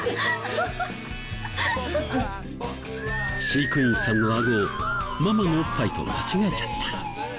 飼育員さんのあごをママのおっぱいと間違えちゃった。